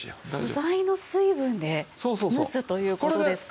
素材の水分で蒸すという事ですか？